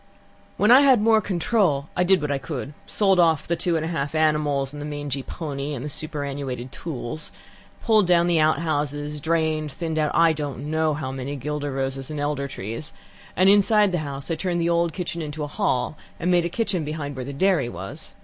"When I had more control I did what I could: sold off the two and a half animals, and the mangy pony, and the superannuated tools; pulled down the outhouses; drained; thinned out I don't know how many guelder roses and elder trees; and inside the house I turned the old kitchen into a hall, and made a kitchen behind where the dairy was.